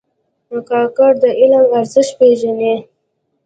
کاکړ د علم ارزښت پېژني.